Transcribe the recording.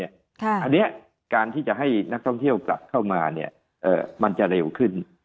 อันนี้การที่จะให้นักท่องเที่ยวกลับเข้ามามันจะเร็วขึ้น